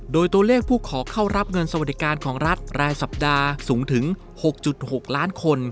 โดยตัวเลขผู้ขอเข้ารับเงินสวัสดิการของรัฐรายสัปดาห์สูงถึง๖๖ล้านคน